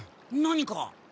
何か？